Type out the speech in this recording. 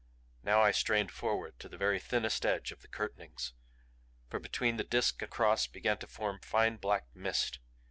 Now I strained forward to the very thinnest edge of the curtainings. For between the Disk and Cross began to form fine black mist.